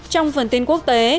trong phần tin quốc tế